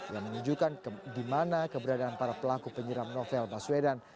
yang menunjukkan keberadaan para pelaku penyiram novel baswedan